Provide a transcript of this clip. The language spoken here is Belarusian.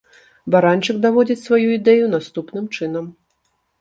Баранчык даводзіць сваю ідэю наступным чынам.